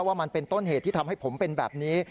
ว่ามันเป็นต้นเหตุที่ทำให้ผมเป็นแบบนี้